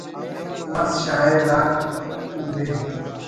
مس شاعر آک توبے